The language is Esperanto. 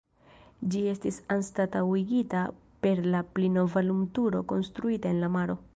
Ĝi estis anstataŭigita per la pli nova lumturo konstruita en la maro.